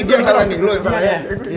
dia yang salah nih lu yang salah ya